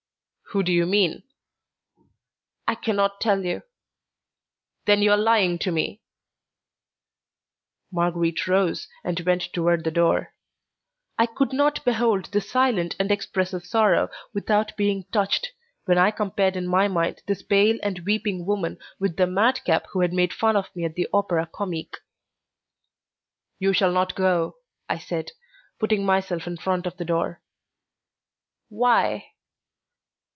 "Who do you mean?" "I can not tell you." "Then you are lying to me." Marguerite rose and went toward the door. I could not behold this silent and expressive sorrow without being touched, when I compared in my mind this pale and weeping woman with the madcap who had made fun of me at the Opera Comique. "You shall not go," I said, putting myself in front of the door. "Why?"